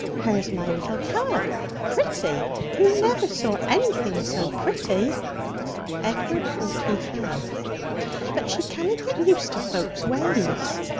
Her's my little cub. Pretty! you ne'er saw anything so pretty.' Edward thought he had. 'But she canna get used to folks' ways.'